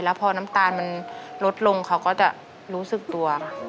แล้วพอน้ำตาลมันลดลงเขาก็จะรู้สึกตัวค่ะ